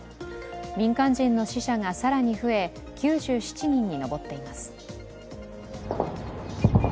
民間人の死者が更に増え、９７人に上っています。